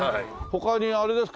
他にあれですか？